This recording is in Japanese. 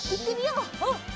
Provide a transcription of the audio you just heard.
うん！